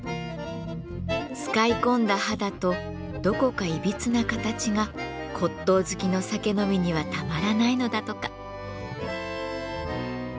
使い込んだ肌とどこかいびつな形が骨とう好きの酒飲みにはたまらないのだとか。